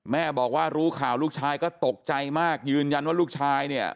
แม่บอกว่ารู้ข่าวลูกชายก็ตกใจมากยืนยันว่าลูกชายเนี่ย